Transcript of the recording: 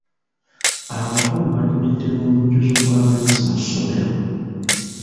Abakulu batubidde n'omujjuzo gw'abayizi mu ssomero.